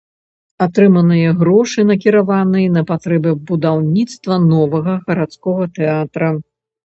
Атрыманыя грошы накіраваныя на патрэбы будаўніцтва новага гарадскога тэатра.